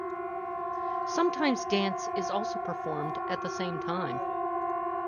Sometimes dance is also performed at the same time.